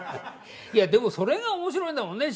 でもそれが面白いんだもんね